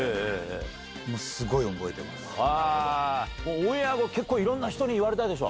オンエア後結構いろんな人に言われたでしょ？